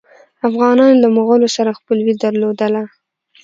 افغانانو له مغولو سره خپلوي درلودله.